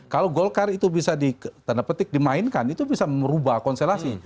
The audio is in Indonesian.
kalau golkar itu bisa di tanda petik dimainkan itu bisa merubah konstelasi